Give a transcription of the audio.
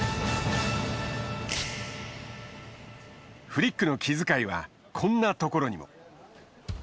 フリックの気遣いはこんなところにも。